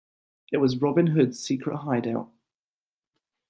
It was Robin Hood's secret hideout.